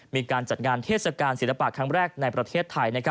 มีการจัดงานเทศกาลศิลปะครั้งแรกในประเทศไทย